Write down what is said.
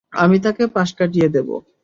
আমি তাকে পাশ কাটিয়ে দেবো।